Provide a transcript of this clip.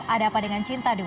ada apa dengan cinta dulu